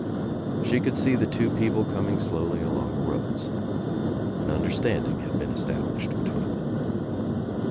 She could see the two people coming slowly along the rows. An understanding had been established between them.